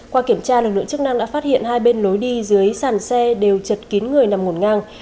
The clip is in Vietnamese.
qua kiểm tra lực lượng chức năng đã phát hiện hai bên lối đi dưới sàn xe đều chật kín người nằm ngổn ngang